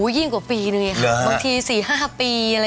ยิ่งกว่าปีนึงค่ะบางที๔๕ปี